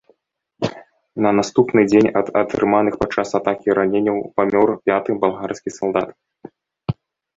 На наступны дзень ад атрыманых падчас атакі раненняў памёр пяты балгарскі салдат.